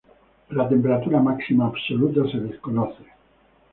La temperatura máxima absoluta se desconoce.